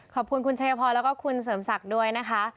ขอบคุณคุณชัยพรแล้วก็คุณเสริมศักดิ์ด้วยนะคะ